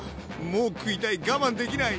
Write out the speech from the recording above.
もう食いたい我慢できない！